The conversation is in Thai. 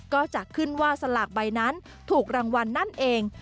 ก็จะขึ้นว่าสลากใบนั้นถูกรางวัลนั่นเอง